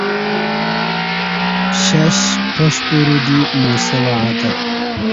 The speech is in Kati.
پشش پاشپورو دی موسہ وعݩتہ